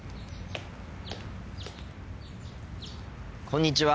こんにちは。